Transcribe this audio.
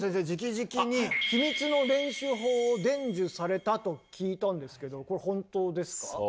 じきじきに秘密の練習法を伝授されたと聞いたんですけどこれ本当ですか？